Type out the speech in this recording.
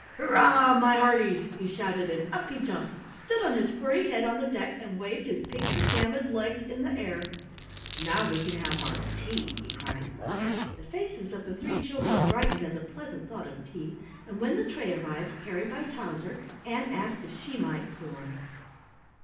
"Hurrah, my hearties!" he shouted, and up he jumped, stood on his furry head on the deck, and waved his pink pajamaed legs in the air. "Now we can have our tea!" he cried. The faces of the three children brightened at the pleasant thought of tea, and when the tray arrived, carried by Towser, Ann asked if she might pour.